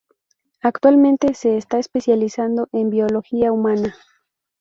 Actualmente se está especializando en Biología humana.